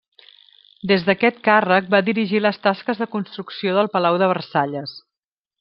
Des d'aquest càrrec, va dirigir les tasques de construcció del Palau de Versalles.